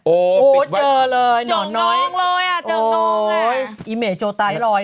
โอ้เจอเลยหนอนน้อยจงนองเลยอ่ะจงนองอ่ะ